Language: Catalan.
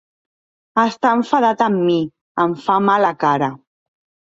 Està enfadat amb mi: em fa mala cara.